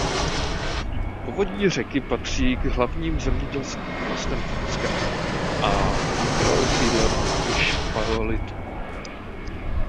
Povodí řeky patří k hlavním zemědělským oblastem Finska a bylo osídleno již v paleolitu.